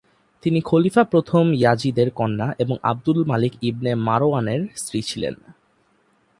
তিনি খলিফা প্রথম ইয়াজিদের কন্যা ও আবদুল মালিক ইবনে মারওয়ানের স্ত্রী ছিলেন।